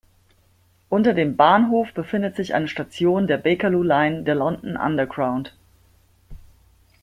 Unter dem Bahnhof befindet sich eine Station der Bakerloo Line der London Underground.